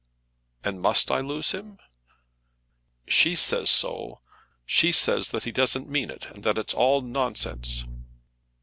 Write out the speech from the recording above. "And must I lose him?" "She says so. She says that he doesn't mean it, and that it's all nonsense."